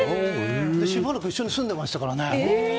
しばらく一緒に住んでいましたからね。